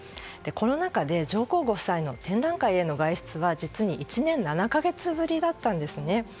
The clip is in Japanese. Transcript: コロナ禍で上皇ご夫妻の展覧会への外出は実に１年７か月ぶりだったんですね。